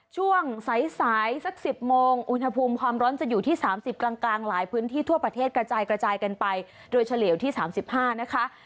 ช่วงสายสายสัก๑๐โมงอุณหภูมิความร้อนจะอยู่ที่๓๐กลางหลายพื้นที่ทั่วประเทศกระจายกระจายกันไปโดยเฉลี่ยวที่๓๕นะคะ